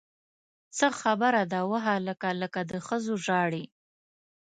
څه خبره ده وهلکه! لکه د ښځو ژاړې!